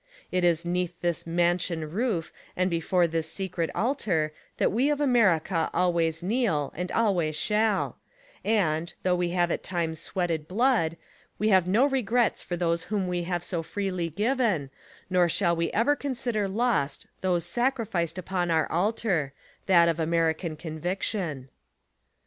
It is 'neath this mansion roof and before this secret altar that we of America always kneel, and always shall; and, though we have at times sweated blood, we have no regrets for those w'hom we have so freely given, nor shall we ever consider lost those sacrificed upon our altar — ^^that of Amrican conviction.